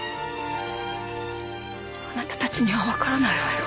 あなたたちにはわからないわよ。